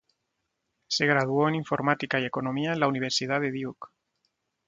Se graduó en Informática y Economía en la Universidad de Duke.